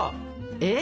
えっ？